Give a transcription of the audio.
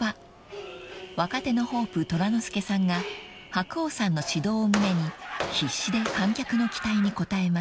［若手のホープ虎之介さんが白鸚さんの指導を胸に必死で観客の期待に応えます］